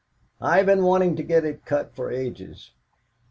"I've been wanting to get it cut for ages.